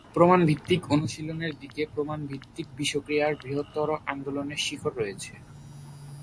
প্রমাণ-ভিত্তিক অনুশীলনের দিকে প্রমাণ-ভিত্তিক বিষক্রিয়ার বৃহত্তর আন্দোলনের শিকড় রয়েছে।